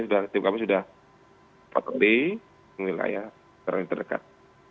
jadi kami sudah patuhi di wilayah terdekat